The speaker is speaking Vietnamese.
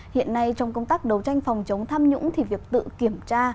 hiện nay trong công tác đấu tranh phòng chống tham nhũng thì việc tự kiểm tra